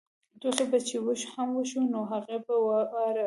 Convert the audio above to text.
ټوخی به چې هم وشو نو هغوی به اورېده.